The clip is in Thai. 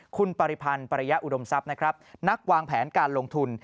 คุณปริพันธ์ปริยะอุดมทรัพย์นะครับนักวางแผนการลงทุน